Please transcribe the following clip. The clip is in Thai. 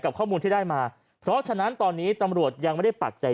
ข้อมูลที่ได้มาเพราะฉะนั้นตอนนี้ตำรวจยังไม่ได้ปักใจ